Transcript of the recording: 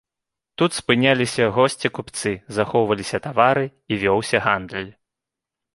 Тут спыняліся госці-купцы, захоўваліся тавары, і вёўся гандаль.